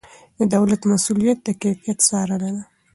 د دولت مسؤلیت د کیفیت څارنه ده.